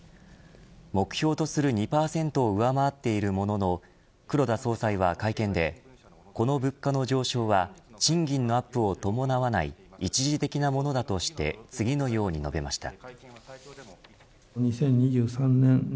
目標とする２％を上回っているものの黒田総裁は会見でこの物価の上昇は賃金のアップを伴わない一時的なものだとして次のように述べました。